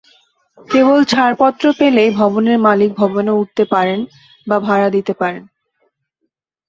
কেবল ছাড়পত্র পেলেই ভবনের মালিক ভবনে উঠতে পারেন বা ভাড়া দিতে পারেন।